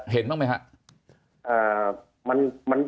เห็นบ้างไหมครับ